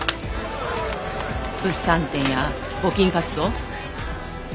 物産展や募金活動。